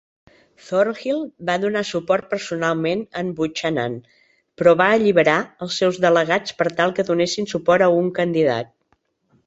Thornhill va donar suport personalment en Buchanan, però va "alliberar" els seus delegats per tal que donessin suport a un candidat.